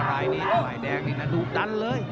รายนี้ฝ่ายแดงนี่นะดุดันเลย